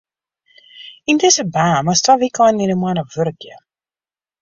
Yn dizze baan moatst twa wykeinen yn 'e moanne wurkje.